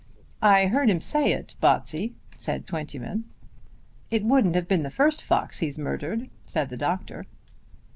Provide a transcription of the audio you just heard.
"I heard him say it, Botsey," said Twentyman. "It wouldn't have been the first fox he's murdered," said the doctor.